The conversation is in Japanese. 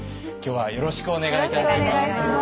今日はよろしくお願いいたします。